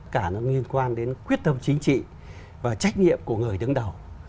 cả nó liên quan đến quyết tâm chính trị và trách nhiệm của người đứng đầu